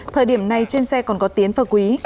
thời điểm này trên xe còn có tiến phở quý